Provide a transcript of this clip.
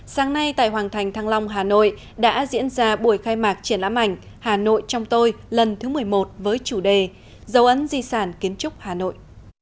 sáng nay tại hoàng thành thăng long hà nội đã diễn ra buổi khai mạc triển lãm ảnh hà nội trong tôi lần thứ một mươi một với chủ đề dấu ấn di sản kiến trúc hà nội